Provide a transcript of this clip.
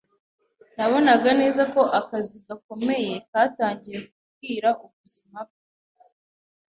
Nabonaga neza ko akazi gakomeye katangiye kubwira ubuzima bwe.